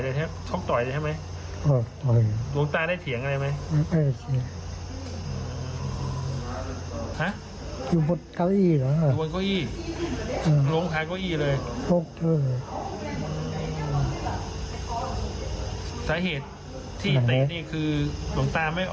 สาเหตุที่เตะนี่คือหลวงตาไม่ได้ออกไปบินทะวันหรือเปล่า